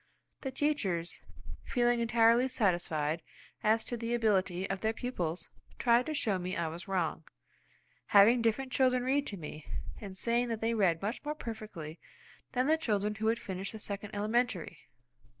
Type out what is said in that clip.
The teachers, feeling entirely satisfied as to the ability of their pupils, tried to show me I was wrong, having different children read to me, and saying that they read much more perfectly than the children who had finished the second elementary.